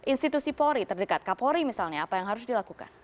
institusi pori terdekat kapori misalnya apa yang harus dilakukan